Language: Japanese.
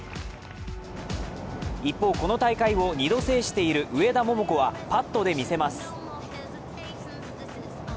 一方、この大会を２度制している上田桃子はパットで見せます。